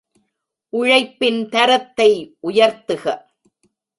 உழைப்பின் தரத்தை உயர்த்துக.